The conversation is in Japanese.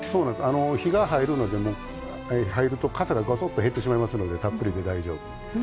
火が入るとかさがごそっと減ってしまうのでたっぷりで大丈夫。